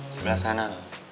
di belah sana lo